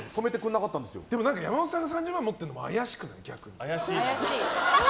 山本さんが３０万持ってるのも怪しくない？